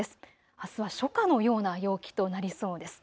あすは初夏のような陽気となりそうです。